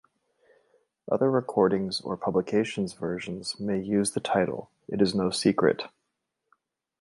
Other recordings or publications versions may use the title It Is No Secret.